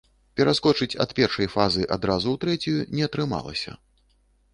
Пераскочыць ад першай фазы адразу ў трэцюю не атрымалася.